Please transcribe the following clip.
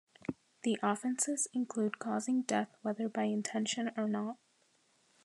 The offences include causing death whether by intention or not.